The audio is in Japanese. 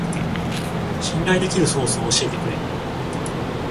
信頼できるソースを教えてくれ